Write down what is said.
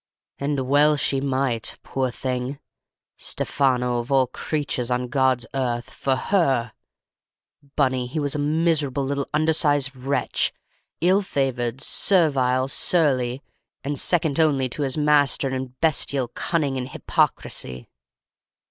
"And well she might, poor thing! Stefano, of all creatures on God's earth—for her! "Bunny, he was a miserable little undersized wretch—ill favored—servile—surly—and second only to his master in bestial cunning and hypocrisy.